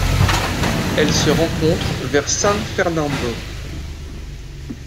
Elle se rencontre vers San Fernando.